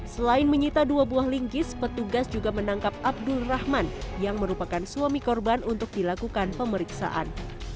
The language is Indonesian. selain menyita dua buah lingkis petugas juga menangkap abdul rahman yang merupakan suami korban untuk dilakukan pemeriksaan